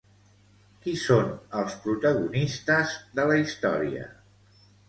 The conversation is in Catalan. Qui són els protagonistes de la història?